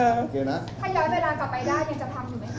ถ้าย้อนเวลากลับไปได้ยังจะทำสิมั้ยครับ